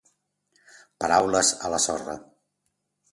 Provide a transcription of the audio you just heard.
Paraules a la sorra.